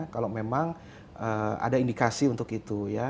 kalau memang ada indikasi untuk itu ya